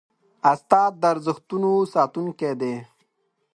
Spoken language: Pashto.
استاد د ارزښتونو ساتونکی دی.